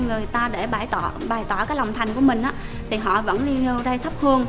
người ta để bài tỏ cái lòng thành của mình thì họ vẫn đi vào đây thắp hương